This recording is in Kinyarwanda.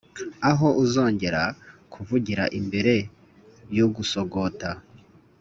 Aho uzongera kuvugira imbere y ugusogota